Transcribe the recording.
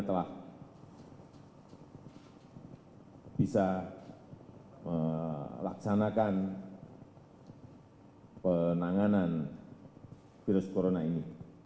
telah bisa melaksanakan penanganan virus corona ini